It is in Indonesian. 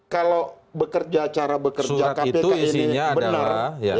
kalau bekerja cara bekerja kpk ini benar